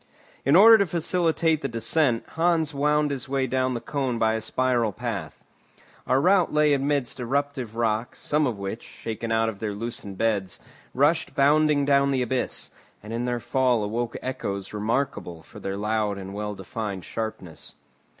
In order to facilitate the descent, Hans wound his way down the cone by a spiral path. Our route lay amidst eruptive rocks, some of which, shaken out of their loosened beds, rushed bounding down the abyss, and in their fall awoke echoes remarkable for their loud and well defined sharpness.